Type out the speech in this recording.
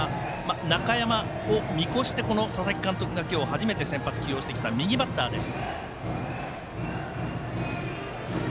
中山を見越して、佐々木監督が今日、初めて先発起用した右バッターです。